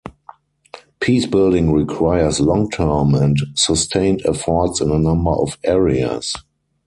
Peace building requires long-term and sustained efforts in a number of areas.